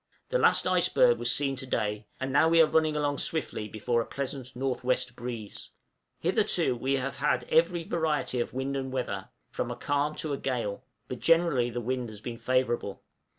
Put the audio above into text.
The last iceberg was seen to day; and now we are running along swiftly before a pleasant N.W. breeze. Hitherto we have had every variety of wind and weather, from a calm to a gale, but generally the wind has been favorable.